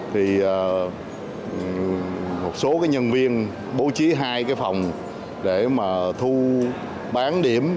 thì một số cái nhân viên bố trí hai cái phòng để mà thu bán điểm